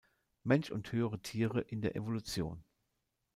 Mensch und höhere Tiere in der Evolution.